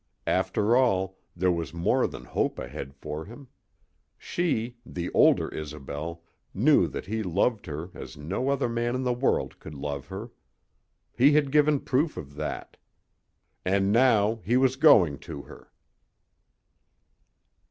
After all, there was more than hope ahead for him. She the older Isobel knew that he loved her as no other man in the world could love her. He had given proof of that. And now he was going to her.